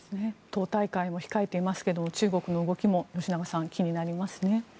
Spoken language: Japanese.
党大会も控えていますけれど中国の動きも気になりますね。